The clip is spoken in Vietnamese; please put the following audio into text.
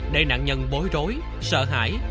để nạn nhân bối rối sợ hãi